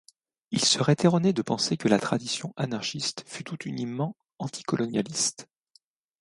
Il serait erroné de penser que la tradition anarchiste fut tout uniment anticolonialiste.